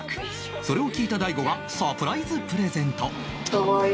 それを聞いた大悟がサプライズプレゼント